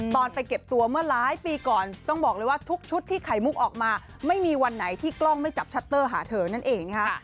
ตอนไปเก็บตัวเมื่อหลายปีก่อนต้องบอกเลยว่าทุกชุดที่ไข่มุกออกมาไม่มีวันไหนที่กล้องไม่จับชัตเตอร์หาเธอนั่นเองนะคะ